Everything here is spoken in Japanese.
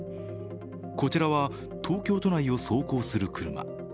こちらは東京都内を走行する車。